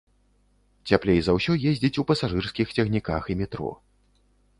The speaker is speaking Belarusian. Цяплей за ўсё ездзіць у пасажырскіх цягніках і метро.